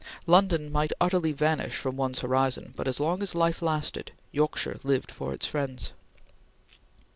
London might utterly vanish from one's horizon, but as long as life lasted, Yorkshire lived for its friends.